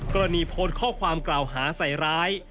กรณีโพสต์ข้อความกล่าวหาใส่ร้าย